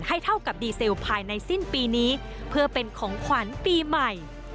เท่ากับดีเซลภายในสิ้นปีนี้เพื่อเป็นของขวัญปีใหม่